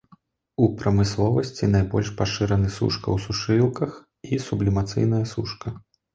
У прамысловасці найбольш пашыраны сушка ў сушылках і сублімацыйная сушка.